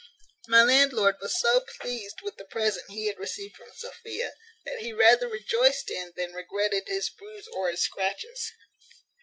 My landlord was so pleased with the present he had received from Sophia, that he rather rejoiced in than regretted his bruise or his scratches.